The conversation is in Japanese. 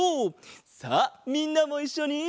さあみんなもいっしょに！